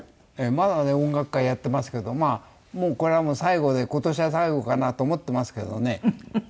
まだね音楽家やってますけどまあこれはもう最後で今年が最後かなと思ってますけどね。